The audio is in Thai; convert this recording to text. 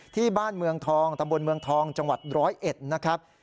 ที่บ้านเมืองทองตำบลเมืองทองจังหวัด๑๐๑นะครับ